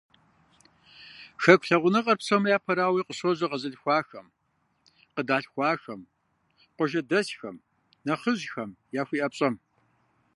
Хэку лъагъуныгъэр, псом япэрауэ, къыщожьэ къэзылъхуахэм, къыдалъхуахэм, къуажэдэсхэм, нэхъыжьхэм яхуиӏэ пщӏэм.